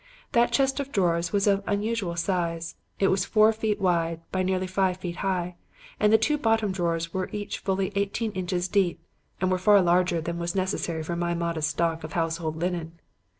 That chest of drawers was of unusual size; it was four feet wide by nearly five feet high, and the two bottom drawers were each fully eighteen inches deep, and were far larger than was necessary for my modest stock of household linen.